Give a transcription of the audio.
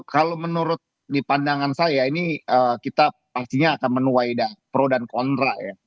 kalau menurut di pandangan saya ini kita pastinya akan menuai pro dan kontra ya